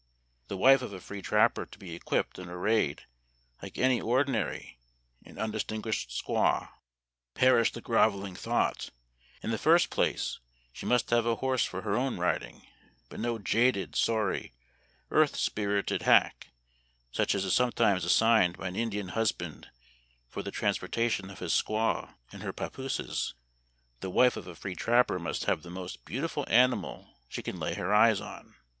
The wife of a free trapper to be equipped and arrayed like any ordinary and undistinguished squaw ! Perish the groveling thought ! In the first place, she must have a horse for her own riding ; but no jaded, sorry, earth spirited hack, such as is sometimes assigned by an Indian husband for the transportation of his squaw and her papooses. The wife of a free trapper must have the most beautiful animal she can lay her eyes on.